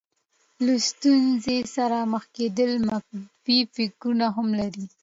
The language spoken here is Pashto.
له ستونزې سره مخ کېدل منفي فکرونه هم لري.